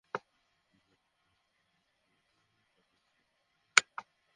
জনগণের যানমালের ক্ষয়ক্ষতি যারা করে চলেছে, তারা অনেক ক্ষেত্রে থাকবে ধরাছোঁয়ার বাইরে।